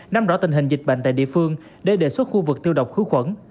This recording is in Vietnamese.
nắm rõ tình hình dịch bệnh tại địa phương để đề xuất khu vực tiêu độc khử khuẩn